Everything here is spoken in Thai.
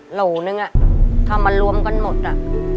เหล่านึงทำมารวมกันหมดอ่ะ